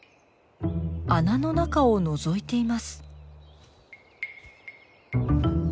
穴の中をのぞいています。